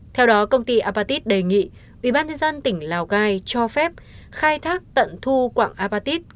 theo đó công ty apatit đề nghị ubnd tỉnh lào cai cho phép khai thác tận thu quạng apatit